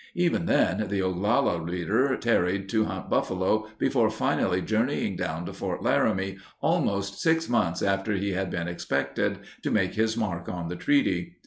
Even then, the Oglala leader tarried to hunt buffalo before finally journeying down to Fort Laramie, almost six months after he had been expected, to make his mark on the treaty.